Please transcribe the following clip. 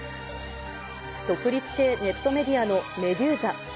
独立系ネットメディアのメドゥーザ。